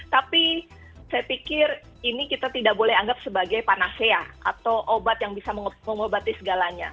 tapi saya pikir ini kita tidak boleh anggap sebagai panacea atau obat yang bisa mengobati segalanya